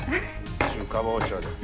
中華包丁で。